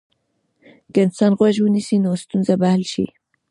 که انسان غوږ ونیسي، نو ستونزه به حل شي.